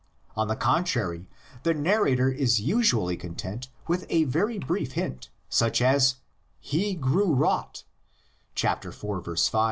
On the contrary, the narrator is usually content with a very brief hint, such as, "He grew wroth" (iv.